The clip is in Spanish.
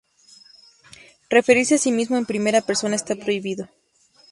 Referirse a sí mismo en primera persona está prohibido.